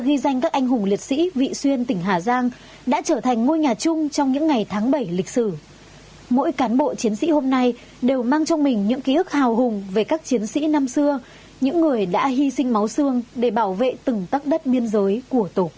trước anh hùng liệt sĩ vị xuyên tỉnh hà giang đã trở thành ngôi nhà chung trong những ngày tháng bảy lịch sử mỗi cán bộ chiến sĩ hôm nay đều mang trong mình những ký ức hào hùng về các chiến sĩ năm xưa những người đã hy sinh máu xương để bảo vệ từng tắc đất biên giới của tổ quốc